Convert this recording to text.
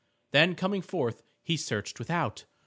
Then coming forth he searched without.